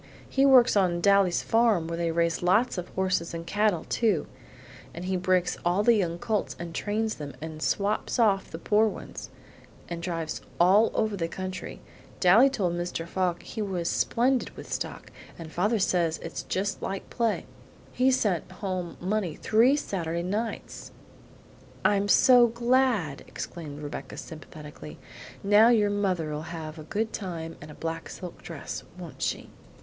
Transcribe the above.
He works on Daly's farm where they raise lots of horses and cattle, too, and he breaks all the young colts and trains them, and swaps off the poor ones, and drives all over the country. Daly told Mr. Fogg he was splendid with stock, and father says it's just like play. He's sent home money three Saturday nights." "I'm so glad!" exclaimed Rebecca sympathetically. "Now your mother'll have a good time and a black silk dress, won't she?"